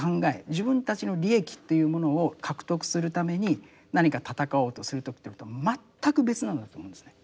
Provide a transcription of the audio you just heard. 自分たちの利益というものを獲得するために何か闘おうとするということとは全く別なんだと思うんですね。